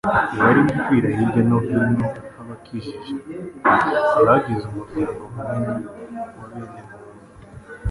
i bari gupfira hirya no hino habakikije. Bagize, umuryango munini wa bene muntu,